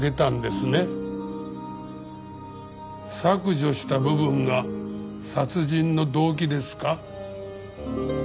削除した部分が殺人の動機ですか？